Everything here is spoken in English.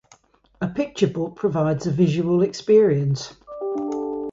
A "picture book" provides "a visual experience.